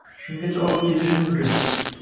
Shungacha olib kelishi mumkin.